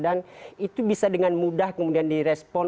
dan itu bisa dengan mudah kemudian direspon